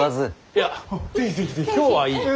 いや今日はいい。